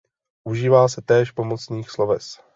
Užívá se též pomocných sloves.